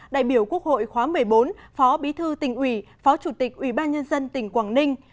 đại biểu quốc hội khóa một mươi bốn phó bí thư tỉnh ủy phó chủ tịch ủy ban nhân dân tỉnh quảng ninh